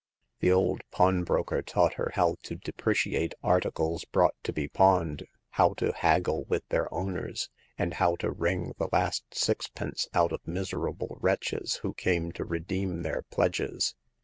The old pawnbroker taught her how to depreciate articles brought to be pawned, how to haggle with their owners, and how to wring the last sixpence out of miserable wretches who came to redeem their pledges.